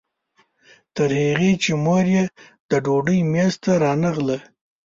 تر هغې چې مور یې د ډوډۍ میز ته رانغله.